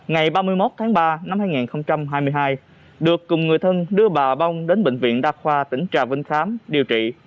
ngày ba mươi một tháng ba năm hai nghìn hai mươi hai được cùng người thân đưa bà bong đến bệnh viện đa khoa tỉnh trà vinh khám điều trị